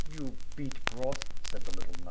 You beet brothr said the little knight.